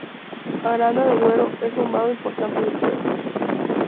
Aranda de Duero es un vado importante del Duero.